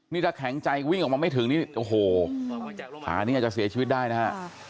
นี่ถ้าแข็งใจวิ่งออกมาไม่ถึงนี่โอ้โหขานี่อาจจะเสียชีวิตได้นะฮะ